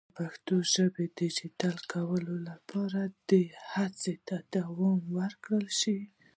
د پښتو ژبې د ډیجیټل کولو لپاره دې هڅو ته دوام ورکړل شي.